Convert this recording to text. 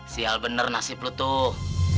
sial bener nasib lo tuh